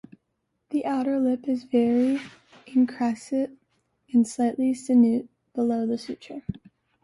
The outer lip is very incrassate and slightly sinuate below the suture.